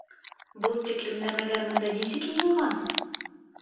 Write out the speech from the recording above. — Был тиклем нәмәләр бында нисек йыйылған һуң?